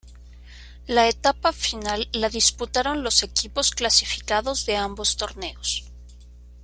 La etapa final la disputaron los equipos clasificados de ambos torneos.